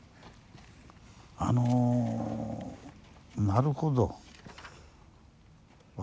あのなるほど。